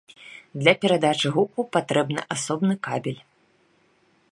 Для перадачы гуку патрэбны асобны кабель.